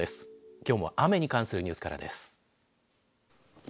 きょうも雨に関するニュースからです。